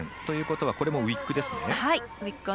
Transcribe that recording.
ということはこれもウィックですね。